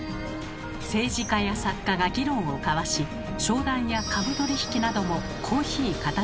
政治家や作家が議論を交わし商談や株取引などもコーヒー片手に行われました。